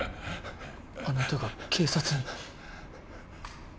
あなたが警察に？